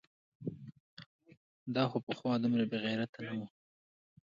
دا خو پخوا دومره بېغیرته نه و؟!